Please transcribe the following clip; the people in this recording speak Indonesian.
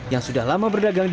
yang sudah lama berdagang